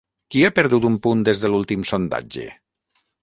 Qui ha perdut un punt des de l'últim sondatge?